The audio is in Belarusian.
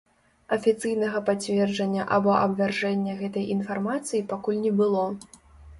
Афіцыйнага пацверджання або абвяржэння гэтай інфармацыі пакуль не было.